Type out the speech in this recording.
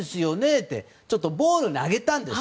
ってちょっとボールを投げたんです。